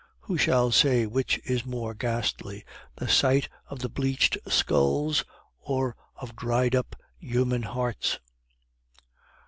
Who shall say which is more ghastly, the sight of the bleached skulls or of dried up human hearts?